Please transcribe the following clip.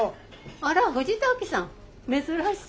あら藤滝さん珍しい。